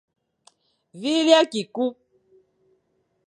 Vîle akî ku.